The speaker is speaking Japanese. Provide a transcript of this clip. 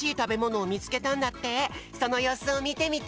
そのようすをみてみて。